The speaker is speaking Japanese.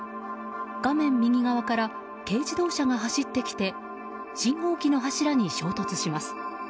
画面右側から軽自動車が走ってきて信号機の柱に衝突します。